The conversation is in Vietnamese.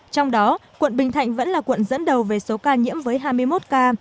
trong đó quận bình thạnh vẫn là quận dẫn đầu về số ca nhiễm với hai mươi một ca